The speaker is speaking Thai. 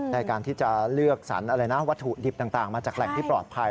ในการที่จะเลือกสรรอะไรนะวัตถุดิบต่างมาจากแหล่งที่ปลอดภัย